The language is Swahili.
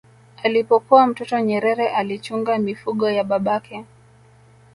Alipokuwa mtoto Nyerere alichunga mifugo ya babake